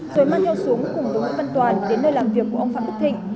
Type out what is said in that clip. rồi mang nhau xuống cùng với nguyễn văn toàn đến nơi làm việc của ông phạm đức thịnh